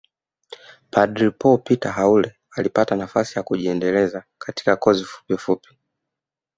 Padre Paul Peter Haule alipata nafasi ya kujiendeleza katika kozi fupofupi